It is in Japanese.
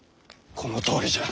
このとおりじゃ。